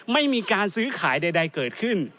ไม่มีการซื้อขายใดเกิดขึ้น